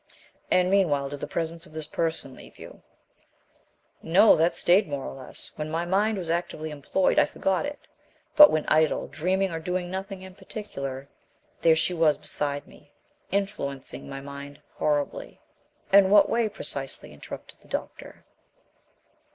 "And, meanwhile, did the presence of this person leave you?" "No; that stayed more or less. When my mind was actively employed I forgot it, but when idle, dreaming, or doing nothing in particular, there she was beside me, influencing my mind horribly " "In what way, precisely?" interrupted the doctor.